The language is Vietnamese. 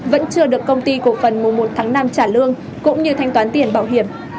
vẫn chưa được công ty cổ phần mùa một tháng năm trả lương cũng như thanh toán tiền bảo hiểm